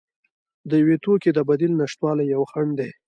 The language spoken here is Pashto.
د یو توکي د بدیل نشتوالی یو خنډ دی.